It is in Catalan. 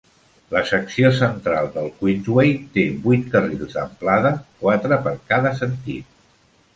La secció central del Queensway té vuit carrils d'amplada, quatre per cada sentit.